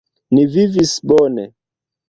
Ni vivis bone.